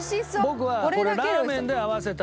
僕はこれラーメンで合わせたらいい。